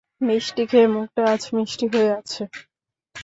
মিষ্টি খেয়ে মুখটা আজ মিষ্টি হয়ে আছে।